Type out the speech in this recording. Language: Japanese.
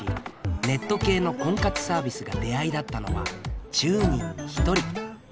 ネット系の婚活サービスが出会いだったのは１０人に１人。